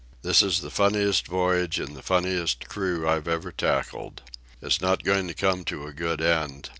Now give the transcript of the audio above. "This is the funniest voyage and the funniest crew I've ever tackled. It's not going to come to a good end.